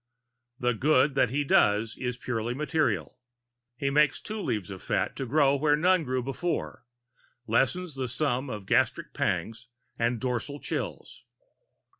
The good that he does is purely material. He makes two leaves of fat to grow where but one grew before, lessens the sum of gastric pangs and dorsal chills.